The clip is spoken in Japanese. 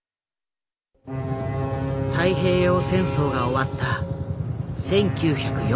太平洋戦争が終わった１９４５年。